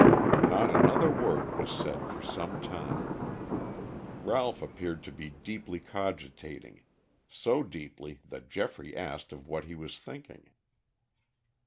Not another word was said for some time. Ralph appeared to be deeply cogitating, so deeply that Geoffrey asked of what he was thinking.